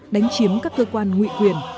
đánh chiếm các cơ quan nguyện quyền